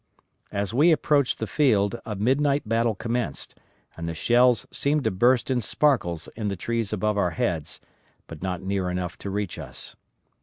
As we approached the field a midnight battle commenced, and the shells seemed to burst in sparkles in the trees above our heads, but not near enough to reach us.